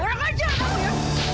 orang aja kamu ya